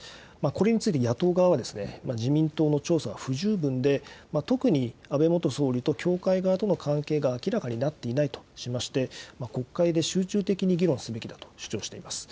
これについて野党側は、自民党の調査は不十分で、特に安倍元総理と教会側との関係が明らかになっていないとしまして、国会で集中的に議論すべきだと主張しています。